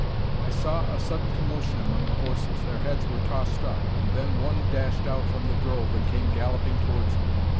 I saw a sudden commotion among the horses. Their heads were tossed up, and then one dashed out from the drove and came galloping towards me.